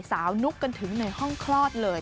นุ๊กกันถึงในห้องคลอดเลย